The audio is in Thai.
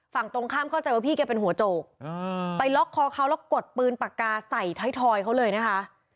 ฝั่งตรงข้ามเข้าใจว่าพี่แกเป็นหัวโจกไปล็อกคอเขาแล้วกดปืนปากกาใส่ถ้อยเขาเลยนะคะ